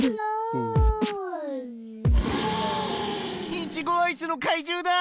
イチゴアイスのかいじゅうだぁ！